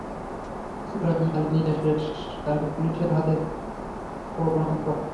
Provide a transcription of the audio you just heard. চোরাই মাল নিয়ে শেষকালে পুলিসের হাতে পড়ব না তো?